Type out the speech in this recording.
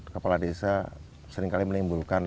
kepala desa seringkali menimbulkan